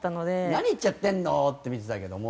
「何言っちゃってんの？」って見てたけども。